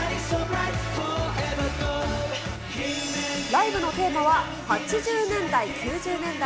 ライブのテーマは８０年代、９０年代。